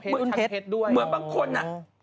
พรุ่นเพชด้วยอ๋ออย่างเหมือนบางคน